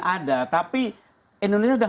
ada tapi indonesia sudah